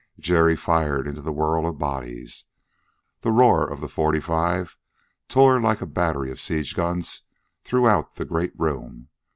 Jerry fired into the whirl of bodies. The roar of the forty five tore like a battery of siege guns throughout the great room.